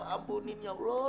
ampunin ya allah